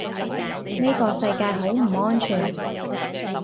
呢個世界好唔安全